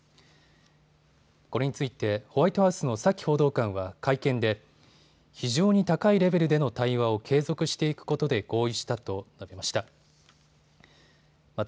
これについてホワイトハウスのサキ報道官は会見で非常に高いレベルでの対話を継続していくことで合意したと述べました。